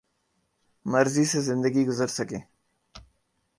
مرضی سے زندگی گرز سکیں